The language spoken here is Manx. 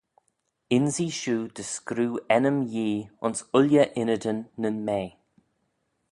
Ynsee shiu dy screeu ennym Yee ayns ooilley ynnydyn nyn mea.